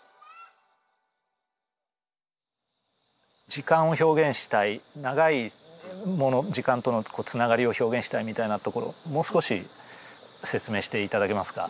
時間を表現したい長い時間とのつながりを表現したいみたいなところもう少し説明して頂けますか。